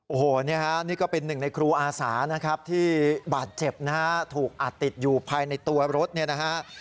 โอ้โหนี่ฮะนี่ก็เป็นหนึ่งในครูอาสานะครับที่บาดเจ็บนะฮะถูกอัดติดอยู่ภายในตัวรถเนี่ยนะฮะ